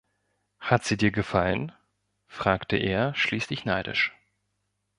"Hat sie dir gefallen?" fragte er schließlich neidisch.